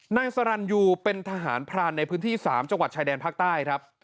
นายสรรยูเป็นทหารพรานในพื้นที่๓จังหวัดชายแดนภาคใต้ครับ